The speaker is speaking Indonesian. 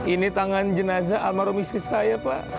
ini tangan jenazah almarhum misi saya pak